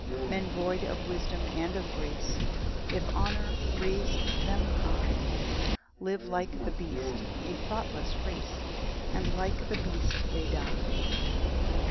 9 Men void of wisdom and of grace, If honour raise them high. Live like the beast, a thoughtless race, And like the beast they die.